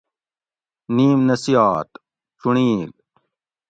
نِیم نصیات (چُنڑیل: